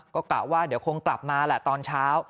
ก็กะว่าเดี๋ยวคงกลับมาแหละตอนเช้า